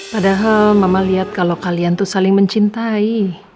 padahal mama lihat kalau kalian tuh saling mencintai